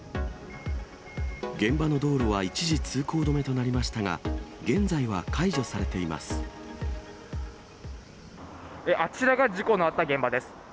現場の道路は一時通行止めとなりましたが、現在は解除されていまあちらが事故のあった現場です。